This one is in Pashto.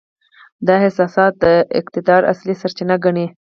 دا احساسات د اقتدار اصلي سرچینه ګڼي.